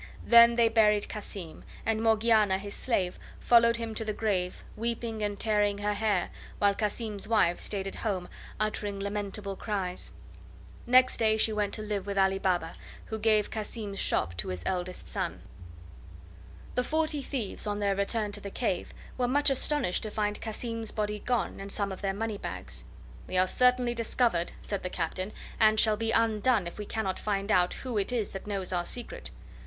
Then they buried Cassim, and Morgiana his slave followed him to the grave, weeping and tearing her hair, while Cassim's wife stayed at home uttering lamentable cries. Next day she went to live with Ali Baba, who gave Cassim's shop to his eldest son. The Forty Thieves, on their return to the cave, were much astonished to find Cassim's body gone and some of their money bags. "We are certainly discovered," said the Captain, "and shall be undone if we cannot find out who it is that knows our secret.